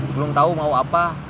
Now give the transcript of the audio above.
belum tau mau apa